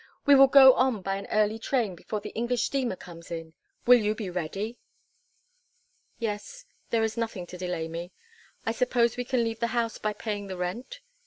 We will go on by an early train before the English steamer comes in. Will you be ready?" "Yes; there is nothing to delay me. I suppose we can leave the house by paying the rent?